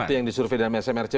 seperti yang disurvey di acmrc